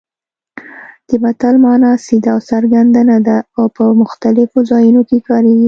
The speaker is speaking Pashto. د متل مانا سیده او څرګنده نه ده او په مختلفو ځایونو کې کارېږي